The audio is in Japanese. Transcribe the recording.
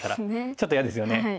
ちょっと嫌ですよね。